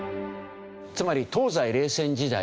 つまり東西冷戦時代